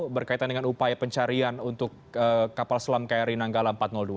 berkaitan dengan upaya pencarian untuk kapal selam kri nanggala empat ratus dua